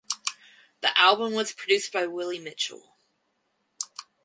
The album was produced by Willie Mitchell.